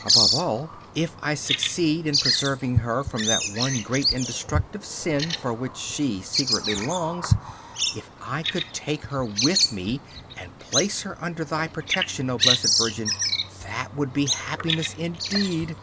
Above all, if I succeeded in preserving her from that one great and destructive sin for which she secretly longs; if I could take her with me and place her under thy protection, O Blessed Virgin, that would be happiness indeed.